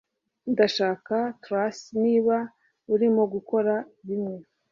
Ndashaka toast niba urimo gukora bimwe